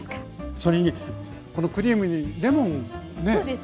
それにこのクリームにレモンね